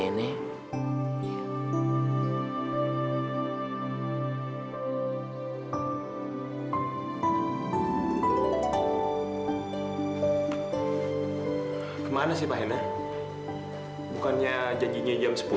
iya saya bisa bangun hari ini jangan ikut ikutan